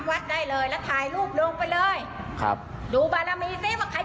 มึงยังกล้าทำกับกูอย่างนี้ยังกลับแอบนี้